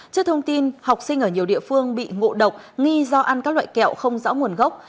trước thông tin học sinh ở nhiều địa phương bị ngộ độc nghi do ăn các loại kẹo không rõ nguồn gốc